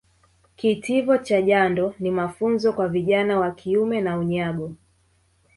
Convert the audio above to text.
Kitivo cha jando ni mafunzo kwa vijana wa kiume na unyago